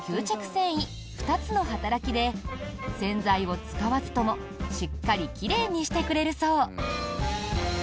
繊維２つの働きで洗剤を使わずともしっかり奇麗にしてくれるそう。